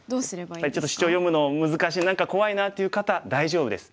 やっぱりちょっとシチョウ読むの難しい何か怖いなっていう方大丈夫です。